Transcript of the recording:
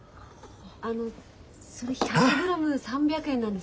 あのそれ１００グラム３００円なんですけど。